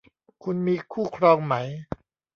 คุณมีคู่ครองไหม